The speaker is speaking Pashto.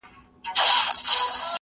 ديني علما بايد خلګو ته سمه لار وښيي.